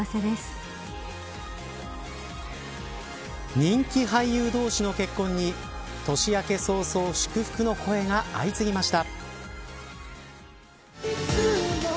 人気俳優同士の結婚に年明け早々祝福の声が相次ぎました。